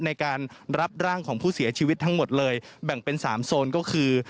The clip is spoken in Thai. ในการรับร่างของผู้เสียชีวิตทั้งหมดเลยแบ่งเป็น๓โซนก็คือ